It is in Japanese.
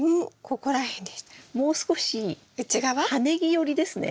もう少し葉ネギ寄りですね。